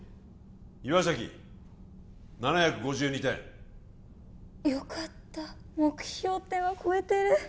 岩崎７５２点よかった目標点は超えてる！